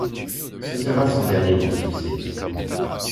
Ce sera son dernier grand succès.